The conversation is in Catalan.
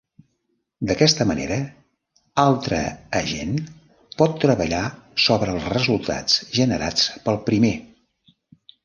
D'aquesta manera, altre agent pot treballar sobre els resultats generats pel primer.